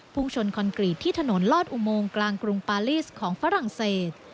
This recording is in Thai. ชนคอนกรีตที่ถนนลอดอุโมงกลางกรุงปาลีสของฝรั่งเศส